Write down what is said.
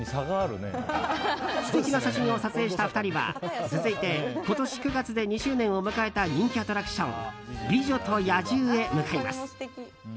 素敵な写真を撮影した２人は続いて今年９月で２周年を迎えた人気アトラクション美女と野獣へ向かいます。